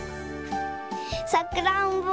さくらんぼ。